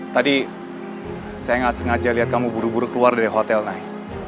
tadi saya nggak sengaja lihat kamu buru buru keluar dari hotel naik